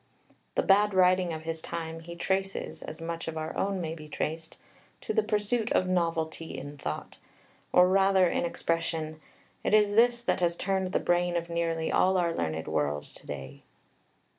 The bad writing of his time he traces, as much of our own may be traced, to "the pursuit of novelty in thought," or rather in expression. "It is this that has turned the brain of nearly all our learned world to day."